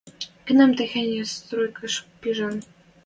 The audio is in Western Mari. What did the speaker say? Кынам техеньӹ стройкыш пижӹн